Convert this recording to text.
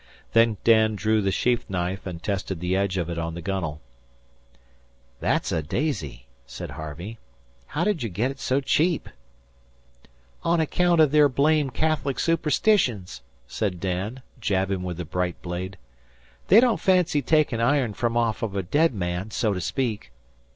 Then Dan drew the sheath knife and tested the edge of it on the gunwale. "That's a daisy," said Harvey. "How did you get it so cheap?" "On account o' their blame Cath'lic superstitions," said Dan, jabbing with the bright blade. "They don't fancy takin' iron from off a dead man, so to speak.